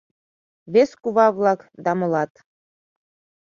Вес кува-влак да молат